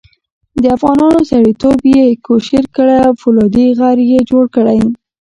د افغانانو سړیتوب یې کوشیر کړی او فولادي غر یې جوړ کړی.